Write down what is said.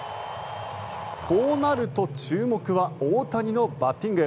こうなると注目は大谷のバッティング。